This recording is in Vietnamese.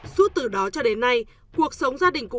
suốt từ đó cho đến nay cuộc sống gia đình của